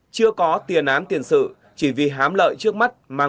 chưa có tiền án tiền sự chỉ vì hám lợi trước mắt